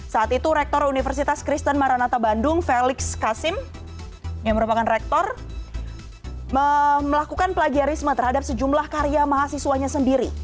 saat itu rektor universitas kristen maranata bandung felix kasim yang merupakan rektor melakukan plagiarisme terhadap sejumlah karya mahasiswanya sendiri